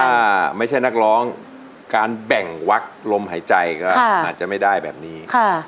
ถ้าไม่ใช่นักร้องการแบ่งวักลมหายใจก็อาจจะไม่ได้แบบนี้